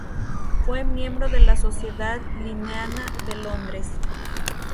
Fue miembro de la Sociedad linneana de Londres